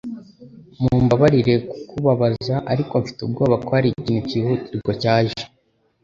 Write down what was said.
Mumbabarire kukubabaza, ariko mfite ubwoba ko hari ikintu cyihutirwa cyaje